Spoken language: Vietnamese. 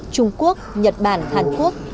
trung quốc nhật bản hàn quốc